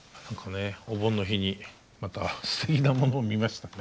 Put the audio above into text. お盆の日にまたすてきなものを見ましたね。